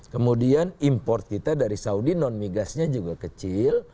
kemudian import kita dari saudi non migasnya juga kecil